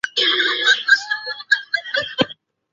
附近有里扬机场。